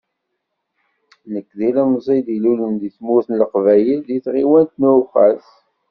Nekk, d ilmẓi i ilulen deg tmurt n Leqbayel di tɣiwant n Uweqqas.